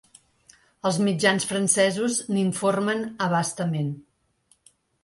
Els mitjans francesos n’informen a bastament.